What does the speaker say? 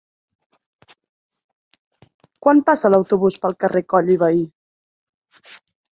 Quan passa l'autobús pel carrer Coll i Vehí?